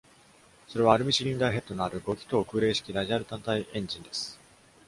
それはアルミシリンダーヘッドのある五気筒空冷式ラジアル単体エンジンです。